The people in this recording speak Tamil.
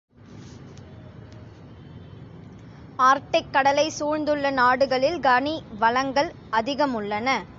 ஆர்க்டிக்கடலைச் சூழ்ந்துள்ள நாடுகளில் கனி வளங்கள் அதிகமுள்ளன.